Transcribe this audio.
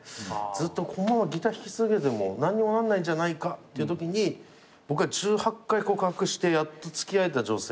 ずっとこのままギター弾き続けても何にもなんないんじゃないかっていうときに僕が１８回告白してやっと付き合えた女性。